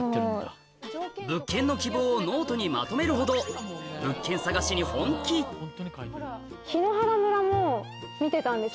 物件の希望をノートにまとめるほど物件探しに本気檜原村も見てたんです。